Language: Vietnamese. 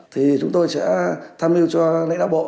thì chúng tôi sẽ tham mưu cho lãnh đạo bộ